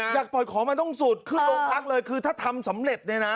อยากปล่อยของมันต้องสุดคือลงพักเลยคือถ้าทำสำเร็จ